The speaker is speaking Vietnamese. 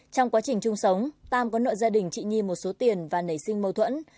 trong quá trình chung sống tam có nợ gia đình chị nhi một số tiền và nảy sinh mâu thuẫn